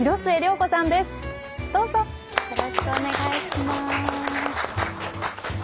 よろしくお願いします。